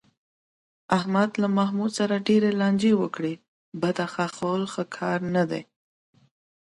احمد له محمود سره ډېرې لانجې وکړې، بده خوښول ښه کار نه دی.